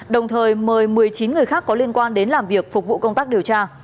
đồng thời mời một mươi chín người khác có liên quan đến làm việc phục vụ công tác điều tra